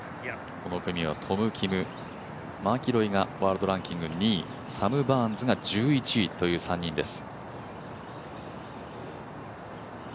この組はトム・キム、マキロイがワールドランキング２位、サム・バーンズが１２位ということです。